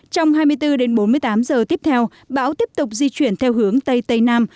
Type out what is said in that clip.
trong hai mươi bốn đến bốn mươi tám giờ tiếp theo bão tiếp tục di chuyển theo hướng tây tây nam